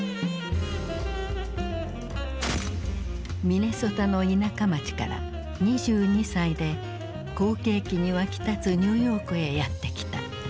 ミネソタの田舎町から２２歳で好景気に沸き立つニューヨークへやって来た。